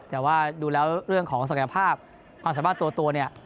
แต่ว่าดูแล้วเรื่องของศักยภาพความสามารถตัวเนี่ย